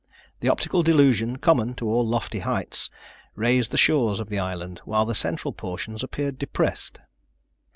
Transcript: The optical delusion, common to all lofty heights, raised the shores of the island, while the central portions appeared depressed.